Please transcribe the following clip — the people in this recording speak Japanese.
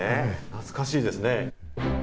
懐かしいですね。